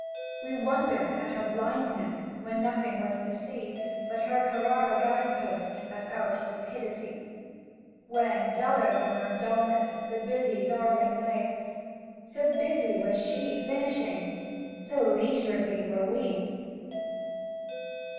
We wondered at our blindness, When nothing was to see But her Carrara guide post, At our stupidity, When, duller than our dullness, The busy darling lay, So busy was she, finishing, So leisurely were we!